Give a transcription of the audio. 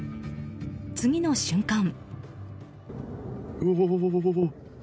次の瞬間。